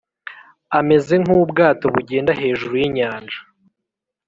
ameze nk'ubwato bugenda hejuru y'inyanja,